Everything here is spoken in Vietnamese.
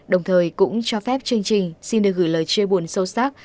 đồng thời cũng cho phép chương trình xin được gửi lời chia buồn sâu sắc